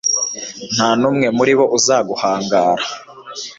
nta n'umwe muri bo uzaguhangara